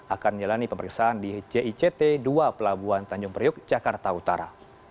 akan menjalani pemeriksaan di jict dua pelabuhan tanjung priuk jakarta utara